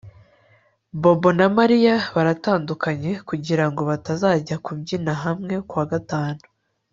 Bobo na Mariya baratandukanye kugirango batazajya kubyina hamwe kuwa gatanu